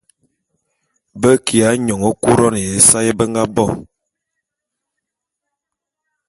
Be kiya nyône Couronne ya ésae be nga bo.